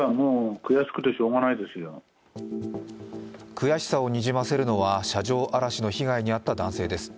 悔しさをにじませるのは車上荒らしの被害に遭った男性です。